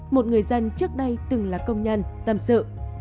một người dân trước đây từng là công nhân tâm sự